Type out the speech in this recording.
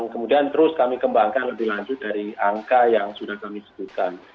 kemudian terus kami kembangkan lebih lanjut dari angka yang sudah kami sebutkan